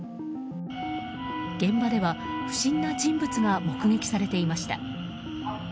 現場では、不審な人物が目撃されていました。